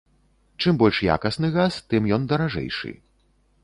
Чым больш якасны газ, тым ён даражэйшы.